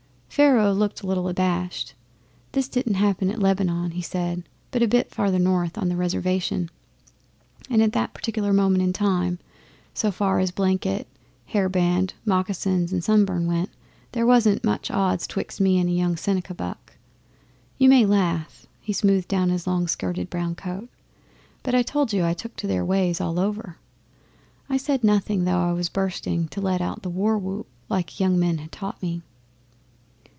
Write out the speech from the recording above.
Pharaoh looked a little abashed. 'This didn't happen at Lebanon,' he said, 'but a bit farther north, on the Reservation; and at that particular moment of time, so far as blanket, hair band, moccasins, and sunburn went, there wasn't much odds 'twix' me and a young Seneca buck. You may laugh' he smoothed down his long skirted brown coat 'but I told you I took to their ways all over. I said nothing, though I was bursting to let out the war whoop like the young men had taught me.